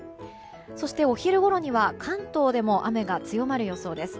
そして、お昼ごろには関東でも雨が強まる予想です。